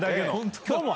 今日も。